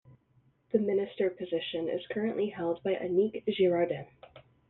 The minister position is currently held by Annick Girardin.